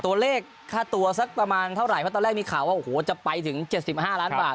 ตัวเลขค่าตัวสักประมาณเท่าไหร่เพราะตอนแรกมีข่าวว่าโอ้โหจะไปถึง๗๕ล้านบาท